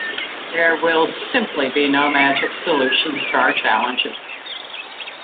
There will simply be no magic solutions to our challenges.